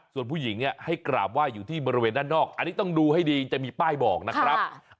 ส่วนผู้หญิงให้กราบไหว้อยู่ที่บริเวณด้านนอกอันนี้ต้องดูให้ดีจะมีป้ายบอกนะครับ